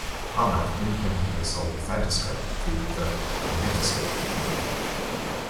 Armat independently sold the Phantoscope to The Kinetoscope Company.